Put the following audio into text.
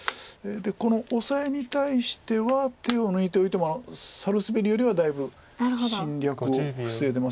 このオサエに対しては手を抜いておいてもサルスベリよりはだいぶ侵略を防いでますし。